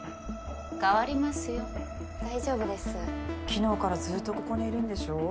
昨日からずっとここにいるんでしょ？